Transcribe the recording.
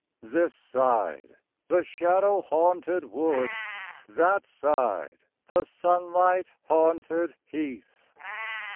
This side, the shadow haunted wood; That side, the sunlight haunted heath.